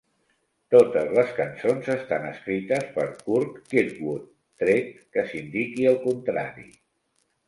Totes les cançons estan escrites per Curt Kirkwood, tret que s'indiqui el contrari.